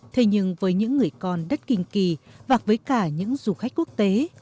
thế nhưng với những người con đất kinh kỳ và với cả những du khách quốc tế